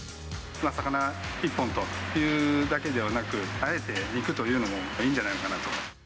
魚一本というだけではなく、あえて肉というのもいいんじゃないのかなと。